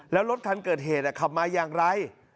แล้วรถคันเกิดเหตุขับมาอย่างไร